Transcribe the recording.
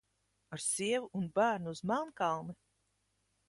Ar sievu un bērnu uz Melnkalni!